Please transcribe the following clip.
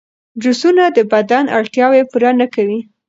جوسونه د بدن اړتیاوې پوره نه کوي.